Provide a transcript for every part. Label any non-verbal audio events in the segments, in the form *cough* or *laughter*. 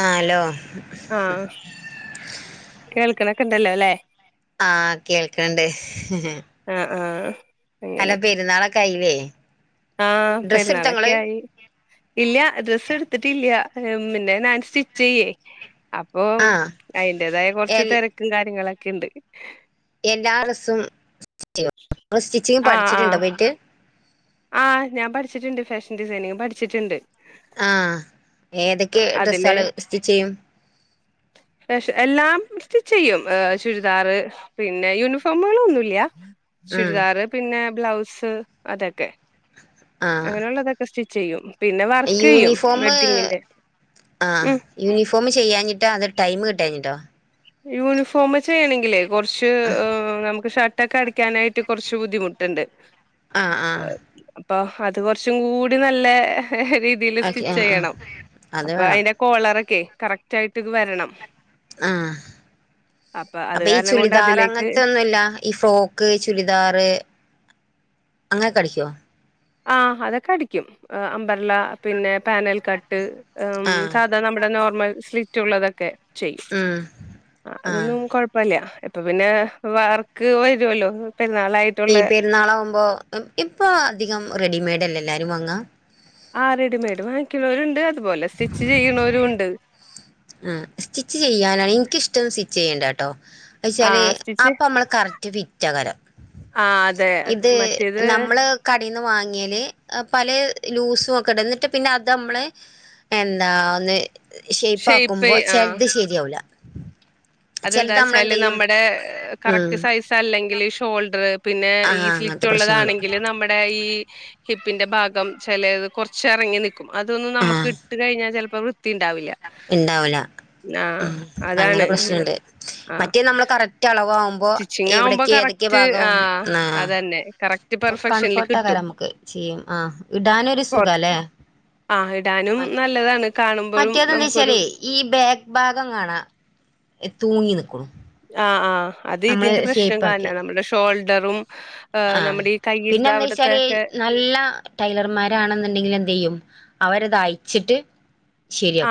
ആ അലോ ആഹ് ക്ണ്ടല്ലോലേ ആഹ് കേൾക്കണ്ട് ആഹ് ആഹ് അല്ല പെരുന്നാളൊ കൈഞ്ഞലേ ആ പെരുന്നാളൊക്കെ ആയി ഇല്യാ ഡ്രസ്സ് എട്ത്തിട്ടില്യാ. മിന്നെ ഞാൻ സ്റ്റിച്ചെയ്യേ. അപ്പൊ ആ അയിന്റേതായ കൊറച്ച് എൽ തെരക്കും കാര്യങ്ങളെ ക്ണ്ട് എല്ലാ ഡ്രസ്സും *inaudible* ഇങ്ങള് സ്റ്റിച്ചിങ് പഠിച്ചിട്ടുണ്ടോ പോയിട്ട് ആ ഞാൻ പഠിച്ചിട്ട്ണ്ട് ഫാഷൻ ഡിസൈനിങ് പഠിച്ചിട്ട്ണ്ട്. ആ ഏതൊക്കെ അതില് ഡ്രസ്സാള് സ്റ്റിച്ച് ചെയ്യും പക്ഷെ എല്ലാം സ്റ്റിചെയ്യും ചുരിദാറ് പിന്നെ യൂണിഫോമുകളൊന്നൂല്യാ ഉം ചുരിദാറ് പിന്നെ ബ്ലൗസ് അതൊക്കെ ആ അങ്ങനെയുള്ളതക്ക സ്റ്റി ചെയ്യും പിന്നെ വർക്ക് ചെയ്യും യൂണിഫോം വെഡ്ഡിങ്ങിന്റെ ആ ഉം യൂണിഫോം ചെയ്യാനിട്ട് അ ടൈം കിട്ടഞ്ഞിട്ടോ യൂണിഫോം ചെയ്യണെങ്കിലെ കുറച്ച് നമുക്ക് ഷട്ടൊക്കെ അടിക്കനായിട്ട് കുറച്ച് ബുദ്ധിമുട്ടുണ്ട്. ആ അപ്പൊ അത് കുറച്ചും കൂടി നല്ല രീതില് ഓക്കെ ആ സ്റ്റിച്ച് ആ ചെയ്യണം അത് അപ്പൊ വേണം അതിന്റെ കോളറൊക്കെ കറക്റ്റ് ആയിട്ട് ഇത് വരണം. ആ അത് അപ്പൊ ഈ കാരണം കൊണ്ട് ചുളിദാർ അതിലേക്ക് അങ്ങനത്തെ ഒന്നുവില്ല ഈ ഫ്രോക്ക് ചുരിദാറ് അങ്ങനെ കളിക്കുവോ? ആ അതൊക്കെ അടിക്കും ല്ല പിന്നെ പാനൽ കട്ട് ആ സാധാ നമ്മടേ നോർമൽ സ്ലിറ്റുള്ളതൊക്കെ. ചെയ്യും ഉം ആഹ് അതൊന്നും കൊഴപ്പല്ല. ഇപ്പൊ പിന്നെ വർക്ക് വരുല്ലോ. ഈ പെരുന്നാളാവകുമ്പോ ഇപ്പൊ അധികം റെഡിമെയ്ഡ് അല്ലെ എല്ലാവരും വങ്ങാ ആ റെഡിമെയ്ഡ് വാങ്ങിക്കണവരുണ്ട് അതുപോലെ സ്റ്റിച്ച് ചെയ്യണവരു ഉണ്ട്. ആഹ് ട്ടോ ആ വച്ചാല് സ്റ്റിച്ച് അപ്പൊ നമ്മള് കറക്റ്റ് വിറ്റകരം ആ അതെ ഇത് മറ്റേത് നമ്മള് കടേന്ന് വാങ്ങിയല് പല ലൂസുംക്കേ കിട ന്നിട്ട് പിന്നെ അത് നമ്മള് എന്താ ന്ന് ഷേപ്പാ ഷേപ്പ് മ്പോ ആ ചെൽത് ശരിയാവും വൂല അതെന്താച്ചാല് നമ്മ്ടെ ഉം കറക്റ്റ് സൈസ അല്ലെങ്കിലി ഇ ഷോൾഡർ പിന്നെ ഈ ആഹ് സ്ലിറ്റ് അങ്ങനത്തെ പ്രശ്നങ്ങള് ഉള്ളതാണെങ്കിൽ നമ്മടെ ഈ ഹിപ്പിന്റെ ഭാഗം ചെലേത് കുറച്ചെറങ്ങി നിക്കും അതൊന്നന്നും നമ്ക്ക് ആഹ് ഇട്ട് കഴിഞ്ഞാ ചെലപ്പം ത്തിണ്ടാവില്ല ഉണ്ടാവൂല ആ ഉം അങ്ങനെ അതാണ് പ്രശ്നണ്ട് മറ്റേ നമ്മള് കറക്ടള സ്റ്റിച്ചിംഗാവുമ്പോ കറക്റ്റ് ആ ആ അത് തന്നെ കറക്റ്റ് പെർഫെക്ഷനിൽ കിട്ടും കൺഫോർട്ടാകാരം നമുക്ക് ചെയ്യും ആ ഇടാനൊരു ഓ സുഖാല്ലേ ആ ഇടാനും നല്ലതാണ് കാണു മറ്റേതെന്താച്ചാലേ ഈ ബാക്ക് ഭാഗം കാണാ തൂങ്ങിനി കും ആ ആ അത് ഇതിന്റെ പ്രശ്നം ഷേപ്പാക്കി കാരണ നമ്മടെ ഷോൾ ടറും ആ പിന്നെ എന്താച്ചാല് അവിടത്തെക്കെ നല്ല ടൈലർമാരാണെന്ന്ണ്ടെങ്കിലെന്തെയ്യും അവരത് അയ്ച്ചിട്ട്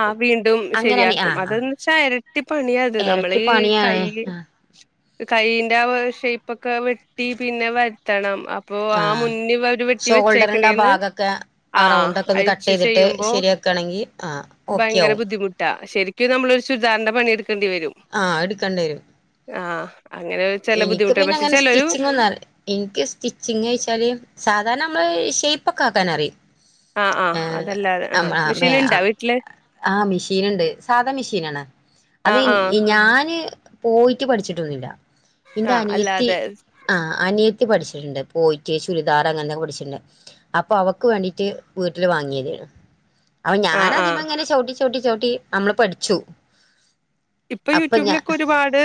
ആ വീണ്ടും അങ്ങനെയാണ് ആ ശരിയാക്കും ആ അതന്ന് വെച്ചാ എരട്ടിപ്പണിയാത് എരട്ടി നമ്മളീ പണിയാണ് കൈയ്യില് ആ കൈന്റെ വ ആ ഷേപ്പ് ഒക്കെ വെട്ടി പിന്നെ വര്ത്തണം അ ആ ഷോൾഡറിന്റെ ആ ഭാഗൊക്കെ ആ ആഹ് റൗണ്ട് ഒക്കെ ഒന്ന് കട്ട് അഴിച്ച് ചെയ്തിട്ട് ചെയ്യുമ്പോ ശരിയാക്കയാണെങ്കിൽ ആ ഓക്കെ ആവും നമ്മള ഒരു ചുരിദാറിൻ്റെ പണി എടു ആ ഇട്ക്കണ്ടി വരും ആ എനിക്ക് പിന്നെ അങ്ങനെ സ്റ്റിച്ചിങ്ങൊന്നു അറി ഇൻക്ക് സ്റ്റിച്ചിങ്ങോയ്ച്ചാല് സാധാരണ മ്മള് ഇ ഷെയ്പ്പോക്കെ ആക്കാനറി ആ ആ അതല്ലാതെ ആ മേ മെഷീൻ ആ ഇണ്ടാ വീട്ടില് ആ മെഷീന്ണ്ട് സാധാ മെഷീനാണ് അത് ആഹ് ആഹ് ഇ ഞാൻ ന് പോയിട്ട് പഠിച്ചിട്ടൊന്നുല്ല ഇന്റെ ആഹ് അനിയത്തി അല്ലാതെ ആ അനിയ ത്തി പഠിച്ചിട്ട്ണ്ട് പോയിട്ട് ചുരിദാർ അങ്ങനത്തെക്കെ പഠിച്ചിട്ട്ണ്ട് അപ്പൊ അവക്ക് വേണ്ടിട്ട് വീട്ടില് വാങ്ങിയേതേനൂ അപ ആഹ് ആഹ് ഞാനതിമ്മേങ്ങനെ ചവ്ട്ടി ചവ്ട്ടി മ്മള് പഠിച്ചു ഇപ്പൊ അപ്പൊ യൂട്യൂബിലൊക്കെ ഒരുപാട്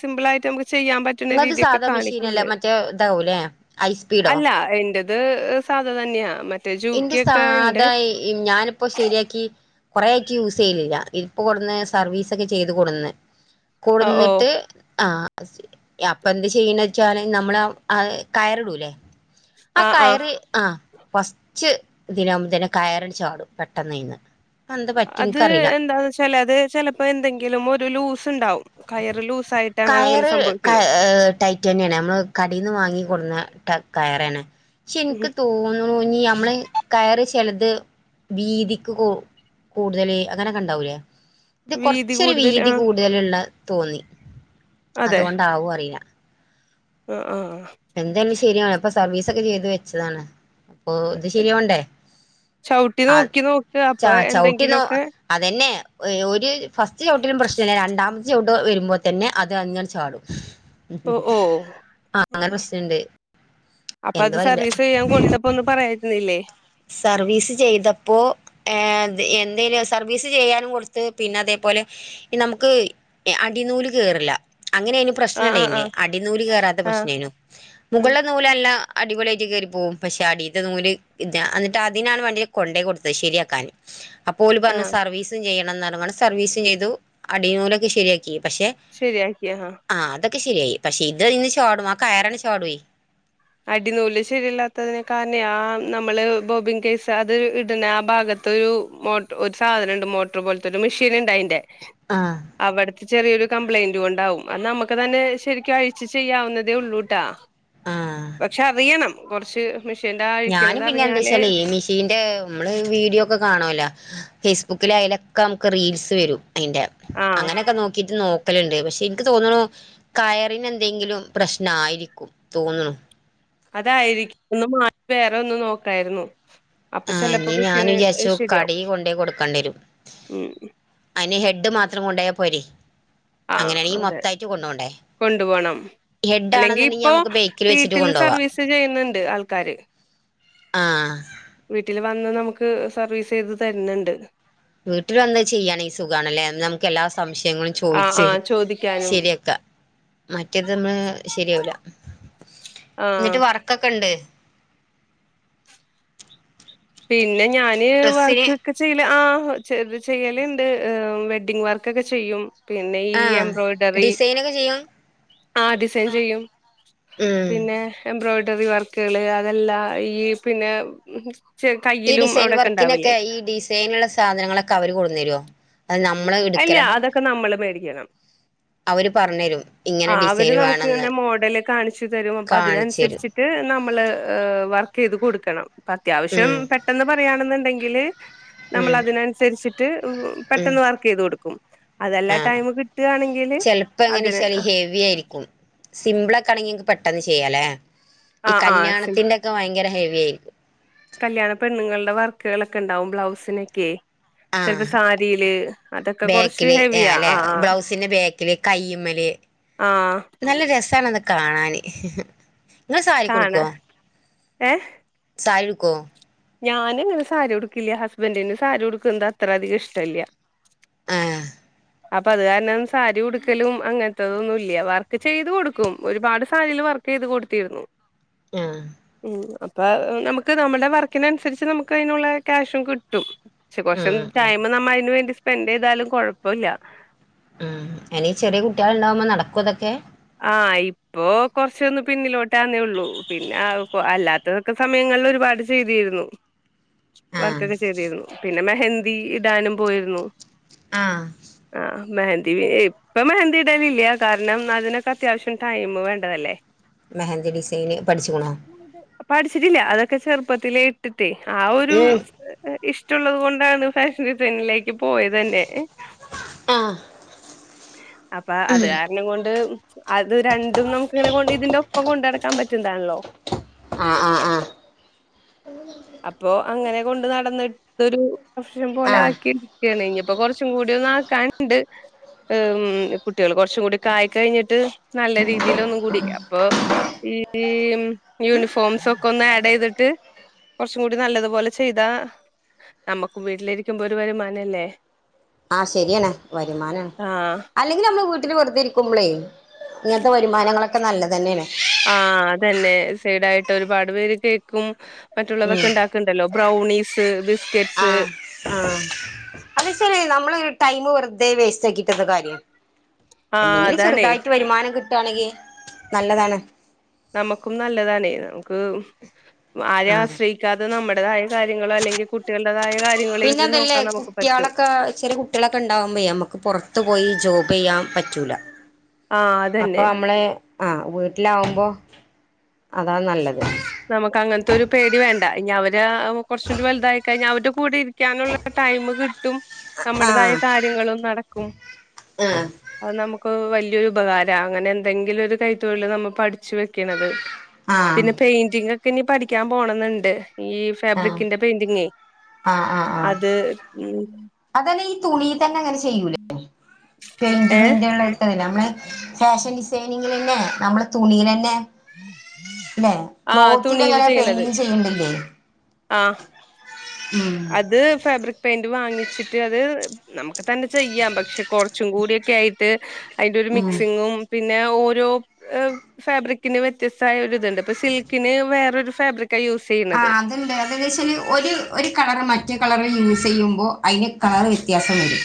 സിമ്പിൾ ആായിട്ട് നമു- നിത് സാധാ മെഷീന അല്ലേ മറ്റേ ഇതാവല്ലേ ഐസ്പീഡോ ദ് ഇഹ് സാധ തന്യാ മ എന്റെ സാധാ എ എയ് ഞാനിപ്പൊ ശരിയാക്കി കൊറേ ആയ് ക്യൂസെയ്ണില്ല. ഇ പോണ് തന്നെ സർവീസ് എക്കെ ചെയ്ത് കൊട്‌ന്നെ കൂട ഓ ഓ നിന്നിട്ട് ആഹ് യ അപ്പ എന്ത് ചെയ്യുന്ന വെച്ചാല് നമ്മള് ആ അത് കയറിടൂല്ലേ ആ ആഹ് ആഹ് കയറി ആഹ് പസ് ച്ച് ഇതിലെ ആവ്മ്പംതന്ന കയറില് ചാടും പെട്ടന്ന് ഇന്ന് അത് എന്താന്ന് വച്ചാല് അത് ചെലപ്പ എന്തെങ്കിലും ഒരു ലൂസ് ഇണ്ടാവും കയറ് ലൂസായിട്ടാണ് അതങ്ങനെ കയറ് ക സംഭവിക്ക്ണെ. ഇഹ് ടൈറ്റന്നയാണ് നമ്മള് കടേന്ന് വാങ്ങി കൊൺന്ന ടർ കയറാണ് ഷേ ഉം എന്ക്ക് തോൻ *unintelligible* നമ്മള് കയറ് ചെലത് വീതിക്ക് കൂ കൂടുതല് അങ്ങനെയൊക്കെ ഒണ്ടാ വൂലേ ഇത് വീതി കൊറച്ചൊരു കൂടുതൽ വീതി ആഹ് കൂടുതലുള്ള നന്നി അതുകൊണ്ടാവു അ പീനാ ഇഹ് ഇഹ് അ എന്തേല് ശരിയാണ് ഇപ്പ സർവീസ് ഒക്കെ ചെയ്ത് വെച്ചതാണ്. ഓ ഇത് ശരി ആവ്ണ്ടേ. ചവിട്ടി ആ നോക്കി നോക്ക് ച അപ്പൊ ചവിട്ടി നോ അ എന്തെങ്കിലൊക്കെ അതെന്നെ. ഒയ് ഒര് ഇഹ് ഫസ്റ്റ് ചവ്ട്ടിലും പ്രശ്നല്ലേ. രണ്ടാമത്തെ ചവ്ട്ട് വരുമ്പോ തന്നെ അത് അങ്ങന ചാടും. അ അപ്പ അത് എന്താ അറിയില്ല സർവീസ് ചെയ്യാൻ കൊടുത്തപ്പം ഒന്നു പറയാരുന്നിൽ എ സർവീസ് ചെയ്തപ്പോ ഏത് എന്തേല് സർവീസ് ചെയ്യാനും കൊടുത്ത് പിന്ന അതേപ്പോലെ ഇൻ നമുക്ക് എ അടിനൂല് കേറില്ല. അങ്ങന ഇയ്ന് പ്രശ്നം ആഹ് ഉണ്ടേയിന്. ആഹ് അടിനൂല് കേറാത്ത ആഹ് ആഹ് പ്രശ്നേനു. ഉം മുകളില നൂലല്ല അടിപൊളിയാറ്റ് കേറിപ്പോവും പക്ഷെ അടീത്തെ നൂല് ഇത് ഞ അന്നിട്ട് അതിനാണ് വണ്ടീല് കൊണ്ടേ കൊടുത്തത് ശെരിയാക്കാൻ അപ്പോല് പറഞ്ഞ് ആഹ് സർവീസും ചെയ്യണം *unintelligible* സർവീസ് ചെയ്തു. അടിനൂലൊക്കെ ശരിയാ കി പക്ഷെ ശരിയാക്കി ആഹ് ആ അത ക്കെ ശരിയായി. പക്ഷെ ഇത് നിന്ന് ചാടും ആ കയറാണ്ട്‌ ചാടുവെയ് അടി നൂല് ശരിയല്ലാത്തത്‌ന് കാര്ണയാ മ് നമ്മള് ബോബിൻ കേസ് അത് ഇ ഇട്ണ ആ ഭാഗത്തൊരു മോട്ടോ ഒരു സാധനം ഇണ്ട്. മോട്ടർ പോലത്തെ ഒരു മെഷീൻ ഒണ്ട് അയിന്റെ. ആഹ് അവട ത്തെ ചെറിയൊരു കംപ്ലൈന്റ് കൊണ്ടാവും. അത് നമ്മക്ക് തന്നെ ശെരിക്കും അഴിച്ചു ചെയ്യാവുന്നതേ ഉള്ളൂട്ടാ. ആഹ് കൊറച്ച് ഞാനും പിന്നെ എന്ത്‌ വെച്ചാല് മിഷീന്റെ മ്മള് വീഡിയോ ഒക്കെ കാണവല്ലോ ഫേസ്ബുക്കില് അയിലൊക്കെ നമുക്ക് റീൽസ് വരും അതിന്റെ ആഹ് അങ്ങനെയൊക്കെ നോക്കിട്ട് നോ ക്കല്ണ്ട് പക്ഷെ ഇനിക്ക് തോന്ന്ണു കയറിന് എന്തെങ്കിലും പ്രശ്നായിരിക്കും തോന്ന്ണു അതായിരിക്കും ഒന്ന് മാറ്റി വേറെ ഒന്ന് നോക്കായിരുന്നു അപ്പൊ ആഹ് ചെലപ്പോ ഇനി ഞാൻ മെഷീന് വിചാരിച്ചു ശരിയാവും കടേയ് കൊണ്ടോയി കൊടുക്കണ്ടി രും ഉം അയിന് ഹെഡ് മാത്രം കൊണ്ടോയാ പൊരെ ആഹ് അതെ കൊണ്ടുപോണം ഹെഡ് അല്ലെങ്കി ആണെന്നുണ്ടെങ്കിൽ ഇപ്പോ നമുക്ക് ബേക്കിൽ വെച്ചിട്ട് വീട്ടിൽ കൊണ്ടോവാ സർവീസ് ചെയ്യുന്ന്ണ്ട് ആൾക്കാര് ആഹ് വീട്ടില് വന്ന് നമുക്ക് സർവീസ് ചെയ്ത് തരുന്നുണ്ട് വീട്ടിൽ വന്ന് ചെയ്യാണെങ്കി സുഖണല്ലേ നമുക്ക് എല്ലാ സംശയങ്ങളും ആഹ് ചോയിച്ച് ആഹ് ചോദിക്കാനും ശരിയാക്ക മറ്റേത് നമ്മള് ശരിയാവൂല ആഹ് ന്നിട്ട് വർക്കൊക്കെ ഉണ്ട് പിന്നെ ഞാന് ഡ്രസ്സിന് വർക്ക് ഒക്കെ ചെയ്യ്ല് ആഹ് ചെറ്ത് ചെയ്യല്ണ്ട് എഹ് വെഡ്ഡിങ് വർക്കൊക്കെ ചെയ്യും പിന്നെ ഈ ആഹ് എംബ്രോയിഡറി ഡിസൈനൊക്കെ ചെയ്യും ആ ഡിസൈൻ ചെയ്യും ഉം പിന്നെ എംബ്രോയിഡ ഡറി വർക്കുകള് അതല്ല ഈ പിന്നെ മ് ഈ ഡിസൈൻ വർക്കിനൊക്കെ ഈ ഡിസൈനുള്ള സാധനങ്ങളൊക്കെ അവര് കൊട്ന്ന് തരുവോ അല്ല അതൊക്കെ നമ്മള് മേടിക്കണം അവര് പറഞ്ഞരും ആ ഇങ്ങനെ അവര് ഡിസൈൻ നമുക്ക് വേണംന്ന് ഇങ്ങനെ മോഡല് കാണിച്ചു തരും അപ്പൊ കാണിച്ചരും അതിനനുസരിച്ചിട്ട് നം മ്മള് വർക്ക് ചെയ്ത് കൊടുക്കണം പ്പൊ അത്യാവശ്യം ഉം പെട്ടെന്ന് പറയാെണെന്ന് ഇണ്ടെങ്കില് നമ്മൾ ഉം അതിനനുസരിച്ചിട്ട് വ് ഉം പെട്ടെന്ന് വർ ആഹ് കിട്ടുകയാണെങ്കില് ചെല് അതിന് പ്പങ്ങനെച്ചാല് ഹെവി ആയിരിക്കും സിംമ്പിളക്കാണെങ്കി ഇൻക് പെട്ട് അന്ന് ചെയ്യാലേ ആ ഈ ആ സി കല്യാണത്തിന്റോക്കെ ഭയങ്കര ഹെവി ഏര്ക്കും കല്യാണ പെണ്ണ്ങ്ങളുടെ വർക്കുകളൊക്കെ ഇണ്ടാവും ബ്ലൗസിനൊക്കേ ആഹ് കുറച്ച് ബേക്കില് എ ഹെവിയാ അല്ലെ ആ ആ ബ്ലൗസിന് ബേക്കില് കയ്യ്മ്മല് ആ നല്ല രസ സാണത് കാണാന് ഹ് ഹഹ ങ്ങ സാരിക്ക് കാണാ ഉടുക്കോ ഏ സാരിടു ക്കൊ ഞാന് ഇങ്ങനെ സാരി ഉടുക്കില്ല ഹസ്ബന്റിന് സാരി ഉടുക്കുന്നത് അത്ര അധിക ഇഷ്ടല്ല്യാ ആഹ് അപ്പ അത് കാരണം സാരി ഉടുക്കലും അങ്ങൻത്തെതൊന്നും ഇല്ല വർക്ക് ചെയ്ത് കൊടുക്കും ഒരുപാട് സാരീല് വർക്ക് ചെയ്ത് കൊടുത്തിരുന്നു ആഹ് ഉം അപ്പ നമുക്ക് നമ്മുടെ വർക്കിനനുസരിച്ച് നമുക്ക് അതിനുള്ള ക്യാഷും കിട്ടും. പക്ഷെ കൊറച്ച് ഉം ഉം ടൈമ് നമ്മ അയിന് വേണ്ടി സ് സ്പെൻ്റെയ്താലും കൊഴപ്പ പ്പോല്ല അഹ് അയ്നീ ചെറിയ കുട്ട്യേള് ഇണ്ടാവുമ്പം നടക്കോ അതൊക്കെ ആഹ് ഇപ്പൊ കൊറ്ച്ചൊന്ന് പിന്നിലോട്ടാ ന്നേ ഒള്ളൂ. പിന്നെ അല്ലാത്തതൊക്കെ സമയങ്ങളിൽ ഒരുപാട് ചെയ്തിരുന്നു. ആഹ് വർക്കൊക്കെ ചെയ്തിരുന്നു പിന്നെ പിന്നെ മെഹന്ദി ഇടാനും പോയിരുന്നു. ആഹ് ആഹ് മെഹന്തി ഇപ്പൊ മെഹന്തി ഇടല്ല്ല കാരണം അതിനെ അത്യാവശ്യം ടൈമ് വേണ്ടതല്ലേ മെഹന്തി ഡിസൈന് പഠിച്ച്ക്ക്ണോ പഠിച്ചിട്ടില്ല അതൊ ക്കെ ചെറുപ്പത്തിലെ ഇട്ട് ഇട്ട് ആ ഒരു ഉം ഇഷ്ട റ്റുള്ളത് കൊണ്ടാണ് ഫാഷൻ ഡിസൈനിംഗിലേക്ക് പോയത്. അതന്നെ ആഹ് അപ്പ അത് കാരണം കൊണ്ട് അത് രണ്ട് ണ്ടും നമുക്കിങ്ങനെ കൊണ്ട് ഇതിൻ്റൊ പ്പം കൊണ്ട് നടക്കാൻ പറ്റുന്നതാണല്ലോ ആഹ് ആഹ് ആഹ് അപ്പൊ അങ്ങനെ കൊണ്ട് നടന്ന് ട്ടൊരു വർഷം പോലെ ആഹ് ആക്കിയിക്കാണ് ഇഞ്ഞ് പ്പൊ കൊർച്ചും കൂടി ഒന്ന് ആക്കാന് ണ്ട്. കുട്ടികള് കൊർച്ചും കൂടിയൊക്കായ് കഴിഞ്ഞിട്ട് നല്ല രീതിൽ ഒന്നും കൂടി യ്യാം. അപ്പൊ ഈ യൂണിഫോംസ് ഒക്കെ ഒന്ന് ആഡെ യ്ത്ട്ട് കൊർച്ചും കൂടി നല്ലതുപോലെ ചെയ്താ നമ്മക്കും വീട്ടിലിരിക്കുമ്പോ ഒരു വരുമാനല്ലേ. ആഹ് ശരിയാണ്‌. വരുമാനം ആഹ് അല്ലെങ്കിലും അമ്മള് വീട്ട് ട്ട്ല് വെർതെ ഇരിക്കുമ്പ്ളേ ഇങ്ങൻ ത്തെ വരുമാനങ്ങളൊക്കെ നല്ലതന്നെയാണ്. ആഹ് അതന്നെ സൈഡായിട്ട് ഒരുപാട് പേര് കേക്കും ഉം മറ്റുള്ളതൊക്കെ ഇണ്ടാക്ക്ണ്ടല്ലോ. Brownies, biscuits. നമ്മളെ ഈ ടൈമ് വെറ് തെ വേസ്‌റ്റാക്കിട്ടെന്താ കാര്യം ആഹ് എന്തെങ്കില് അതാണേ ചെറ്തായിട്ട് വരുമാനം കിട് ട്ടാണെങ്കി നല്ലതാണ്. നമുക്കും നല്ലതണേ നമുക്ക് ആരെ ആഹ് ആശ്രയിക്കാതെ നമ്മള് ന്റെ തായ കാര്യങ്ങളോ അല്ലെങ്കി കുട്ടികൾടെതായ പിന്നെ അതല്ലേ കുട്ട്യോളൊക്കെ ചെറിയ കുട്ടികളൊക്കെ ഉണ്ടാവുമ്പേ അമ്മക്ക് പുറത്ത് പോയി ജോബ് പെയ്യാം പറ്റൂല ആഹ് അപ്പൊ അതന്നെ അമ്മള് ആ വീട്ടിലാവുമ്പോ അതാ നല്ലത് നമ്മക്ക് അങ്ങൻത്തൊരു പേടി വേണ്ട ഇനി അവ രാ. അവൻ കുറച്ചൂടി വലുതായി കഴിഞ്ഞാ അവൻ്റെ കൂടെ ഇരിക്കാനുള്ള ടൈംമ് കിട്ടും. നമ്മുടേതായ ആഹ് കാര്യങ്ങളും നടക്കും. ആഹ് അത് നമു ഇപ്പോ വലിയൊരു ഉപകാരാ. അങ്ങനെ എന്തെങ്കിലും ഒരു കൈ തൊഴില് നമ്മ പഠിച്ചു വെക്കിണത്. ആഹ് പിന്നെ ആഹ് പെയിന്റിങ് ക്കെനി പഠിക്കാൻ പോണംന്ന്ണ്ട്. ഈ ഫാബ്രിക്കിന്റെ പെയിന്റിങ്ങേ. ആഹ് ആഹ് ആഹ് അത് ഉം അതന്നെ ഈ തുണീ തന്നെ ഇങ്ങനെ ചെയ്യൂലേ? ഏ പെയിന്റിങ്ങിന്റെ *unintelligible* വേ ഫാഷൻ ഡിസൈനി ങന്നെ. നമ്മള് തുണീലന്നേ. ല്ലേ ആ ക്ലോത്തിൽ തുണിയില് അങ്ങനെ ചെയ്യണത് പെയിന്റിങ് ചെയ്യണ്ടില്ലേ. ആ ഉം അത് ഫാബ്രിക് പെയിന്റ് വാങ്ങി ച്ചിട്ട് അത് നമുക്ക് തന്നെ ചെയ്യാം. പക്ഷെ കുറച്ചും കൂട്യൊക്കെ ആയിട്ട് അയ്ൻ്റൊരു ഉം മിക്സിങ്ങും പിന്നെ ഓരോ ഫാബ്രിക്കിന് വ്യത്യസ്തായ ഒരു ത്ണ്ട്. ഇപ്പ സിൽക്കിന് വേറൊരു ഫാബ്രിക് ആ അത്ണ്ട് അതന്നെച്ചാല് ഒര് ഒ കളറ് മറ്റ് കളറ് യൂസ് ചെയ്യുമ്പോ- അതിന് കളറ് വ്യത്യാസം വരും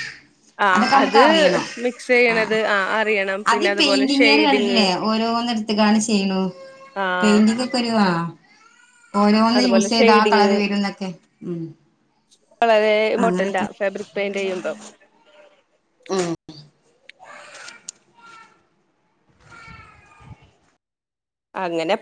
ആ അതൊക്കെ നമുക്ക് അത് അറിയണം മിക്സ് ആ ചെയ്യണത് അറിയണം പിന്നെ അതുപോലെ അത്പെയിന്റിങ്യാര് ആണ് ഷെയ്ഡിങ് ല്ലേ ഓരോന്നിടുത്തക്കാണ് ചെയ്യ്ണു ആ പെയിന്റിങ്ക്ക്‌ ഒരു വാ അതുപോലെ ഷെയ്ഡിങ് കളർ വരും എന്നൊക്കെ ഉം വളരേ ഇമ്പോട്ടന്റാ അങ്ങനെയൊക്കെ ഫാബ്രിക് പെയിന്റ് യ്യുമ്പോ ഉം അങ്ങനെ